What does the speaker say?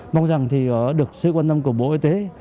mong rằng thì có được sự quan tâm của bộ y tế